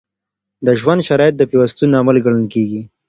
د ژوند شرایط د پیوستون عامل ګڼل کیږي.